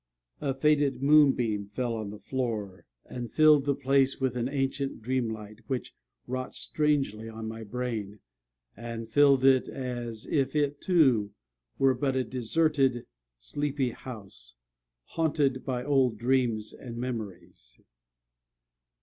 A faded moonbeam fell on the floor, and filled the place with an ancient dream light, which wrought strangely on my brain, and filled it, as if it, too, were but a deserted, sleepy house, haunted by old dreams and memories.